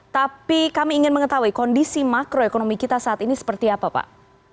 tapi kami ingin mengetahui kondisi makroekonomi kita saat ini seperti apa pak